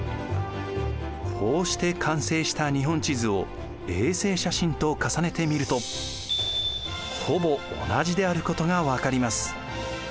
こうして完成した日本地図を衛星写真と重ねてみるとほぼ同じであることが分かります。